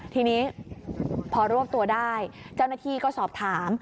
ทีนี้พอรวบตัวได้เจ้าหน้าที่ก็สอบถาม